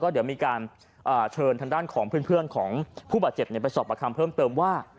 เดี๋ยวมีการเชิญทางด้านของเพื่อนของผู้บาดเจ็บไปสอบประคำเพิ่มเติมว่า